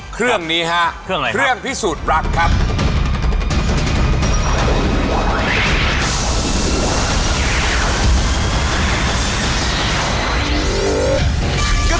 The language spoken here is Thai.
เครื่องพิสูจน์รักครับ